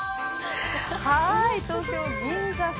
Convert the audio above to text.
東京・銀座福